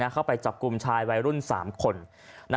เข้าไปจับกลุ่มชายวัยรุ่น๓คน